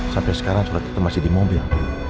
sampai sekarang surat kita masih di mobil